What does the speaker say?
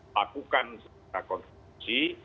lakukan setelah konstitusi